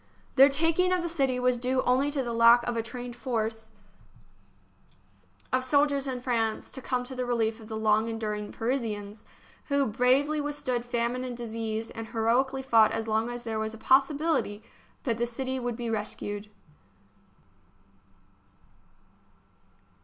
Their taking of the city was due only to the lack of a trained force THE BOOK OF FAMOUS SIEGES of soldiers in France to come to the relief of the long enduring Parisians, who bravely withstood famine and disease, and heroically fought as long as there was a possibility that the city would be rescued.